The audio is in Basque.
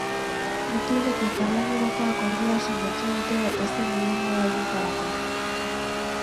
Bi klubek elkarlanerako akordioa sinatu dute datozen bi denboraldietarako.